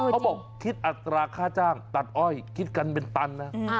เขาบอกคิดอัตราค่าจ้างตัดอ้อยคิดกันเป็นตันนะ